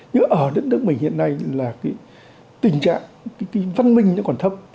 nhưng ở đất nước mình hiện nay là tình trạng văn minh nó còn thấp